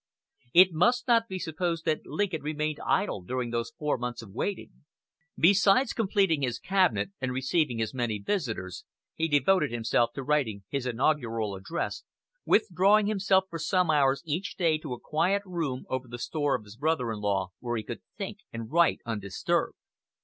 It must not be supposed that Lincoln remained idle during these four months of waiting. Besides completing his cabinet, and receiving his many visitors, he devoted himself to writing his inaugural address, withdrawing himself for some hours each day to a quiet room over the store of his brother in law, where he could think and write undisturbed.